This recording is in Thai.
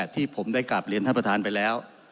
ที่ผมได้กลับเรียนท่านประธานไปแล้ว